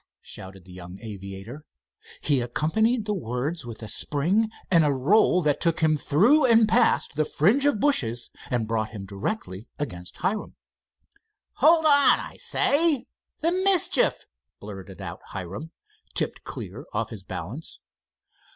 shouted the young aviator. He accompanied the words with a spring and a roll that took him through and past the fringe of bushes and brought him directly against Hiram. "Hold on, I say. The mischief!" blurted out Hiram, tipped clear off his balance.